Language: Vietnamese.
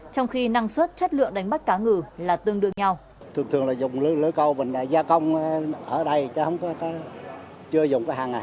trong khi năng suất chất lượng đánh bắt cá ngừ là tương đương nhau